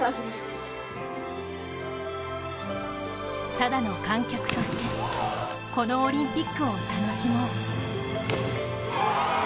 ただの観客としてこのオリンピックを楽しもう。